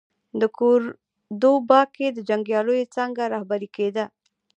د کوردوبا کې د جنګیاليو څانګه رهبري کېده.